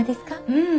うん。